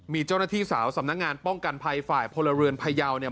มีเจ้าหน้าที่สาวสำนักงานป้องกันภัยฝ่ายพลเรือนพยาวเนี่ย